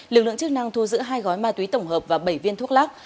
lực lượng chức năng thu giữ hai gói ma túy tổng hợp và bảy viên thuốc lắc